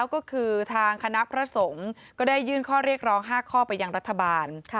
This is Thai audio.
ก็คือทางคณะพระสงฆ์ก็ได้ยื่นข้อเรียกร้อง๕ข้อไปยังรัฐบาล